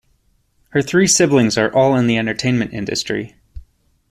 Her three siblings are all in the entertainment industry.